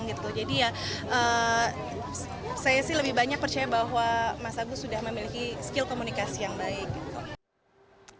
jadi ya saya sih lebih banyak percaya bahwa mas agus sudah memiliki skill komunikasi yang baik